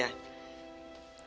tahu dari mana